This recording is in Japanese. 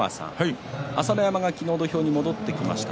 朝乃山が昨日、土俵に戻ってきました。